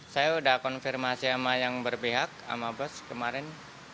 saya sudah konfirmasi sama yang berpihak sama bos kemarin